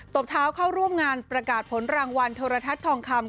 บเท้าเข้าร่วมงานประกาศผลรางวัลโทรทัศน์ทองคำ